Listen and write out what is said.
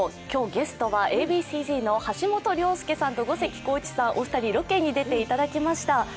今日、ゲストはＡ．Ｂ．Ｃ−Ｚの橋本良亮さんと五関晃一さん、お二人にロケに出ていただきました。